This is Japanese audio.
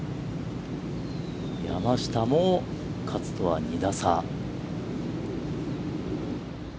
山下も、勝とは２打差。